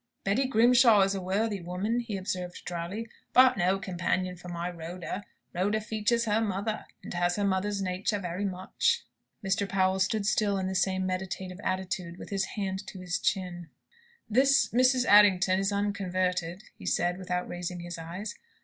"Betty Grimshaw is a worthy woman," he observed, drily; "but no companion for my Rhoda. Rhoda features her mother, and has her mother's nature very much." Mr. Powell still stood in the same meditative attitude, with his hand to his chin. "This Mrs. Errington is unconverted?" he said, without raising his eyes.